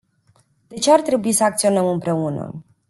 De ce ar trebui să acționăm împreună?